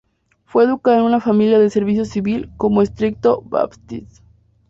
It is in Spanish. Fue educada en una familia de servicio civil como Estricto Baptist.